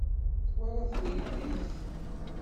Twalaḍ tagellidt?